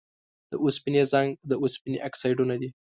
د اوسپنې زنګ د اوسپنې اکسایدونه دي.